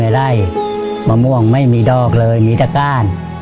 ไล่มะม่วงไม่มีดอกเลยมีแต่ก้าน